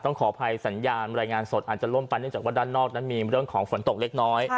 ขออภัยสัญญาณรายงานสดอาจจะล่มไปเนื่องจากว่าด้านนอกนั้นมีเรื่องของฝนตกเล็กน้อย